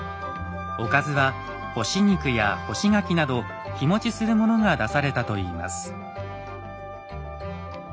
おかずは干し肉や干し柿など日もちするものが出されたといいます。